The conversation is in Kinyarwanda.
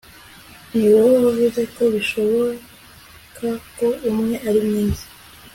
Niwowe wavuze ko bishoboka ko umwe ari mwiza